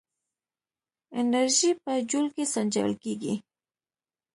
انرژي په جول کې سنجول کېږي.